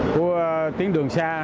của tiến đường xa